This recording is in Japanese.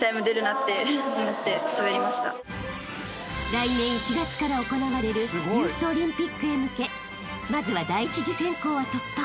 ［来年１月から行われるユースオリンピックへ向けまずは第一次選考は突破］